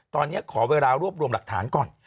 ตอนนี้ขอเวลารวบรวมหลักฐานก่อน